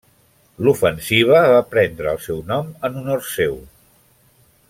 L'ofensiva va prendre el seu nom en honor seu.